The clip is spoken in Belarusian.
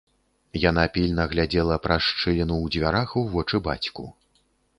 Яна пільна глядзела праз шчыліну ў дзвярах у вочы бацьку.